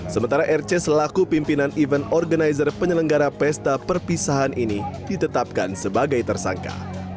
sementara rc selaku pimpinan event organizer penyelenggara pesta perpisahan ini ditetapkan sebagai tersangka